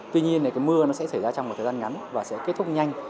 tuy nhiên là cái mưa nó sẽ xảy ra trong một thời gian ngắn và sẽ kết thúc nhanh